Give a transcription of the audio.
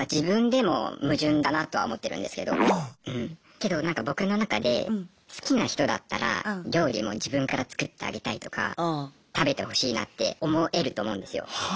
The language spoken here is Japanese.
けどなんか僕の中で好きな人だったら料理も自分から作ってあげたいとか食べてほしいなって思えると思うんですよ。